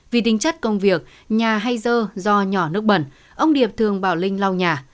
vì tính chất công việc nhà hay dơ do nhỏ nước bẩn ông điệp thường bảo linh lau nhà